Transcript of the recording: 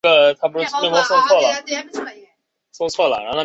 该站位于龙岗区龙岗街道龙岗社区。